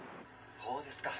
そうですか。